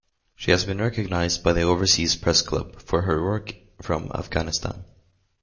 She has been recognized by the Overseas Press Club for her work from Afghanistan.